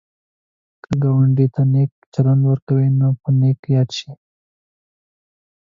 که ګاونډي ته نېک چلند وکړې، ته به نېک یاد شي